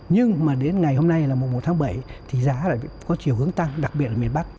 nhưng mà đến ngày hôm nay là mùa một tháng bảy thì giá lại có chiều hướng tăng đặc biệt ở miền bắc